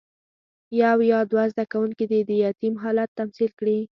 یو یا دوه زده کوونکي دې د یتیم حالت تمثیل کړي.